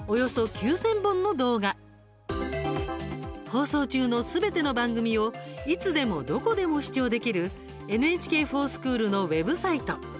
放送中のすべての番組をいつでもどこでも視聴できる「ＮＨＫｆｏｒＳｃｈｏｏｌ」のウェブサイト。